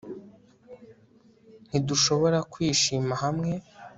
Ntidushobora kwishima hamwe